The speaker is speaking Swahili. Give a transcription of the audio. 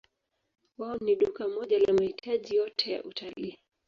Wao ni duka moja la mahitaji yote ya utalii.